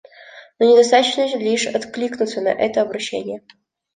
Но недостаточно лишь откликнуться на это обращение.